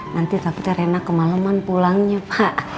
nanti takutnya rena kemaleman pulangnya pak